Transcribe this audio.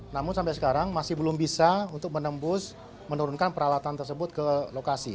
namun sampai sekarang masih belum bisa untuk menembus menurunkan peralatan tersebut ke lokasi